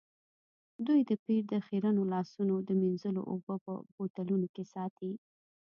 دوی د پیر د خیرنو لاسونو د مینځلو اوبه په بوتلونو کې ساتي.